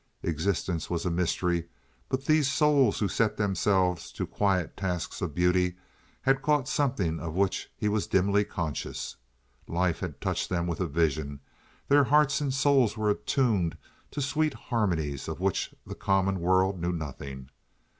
Existence was a mystery, but these souls who set themselves to quiet tasks of beauty had caught something of which he was dimly conscious. Life had touched them with a vision, their hearts and souls were attuned to sweet harmonies of which the common world knew nothing.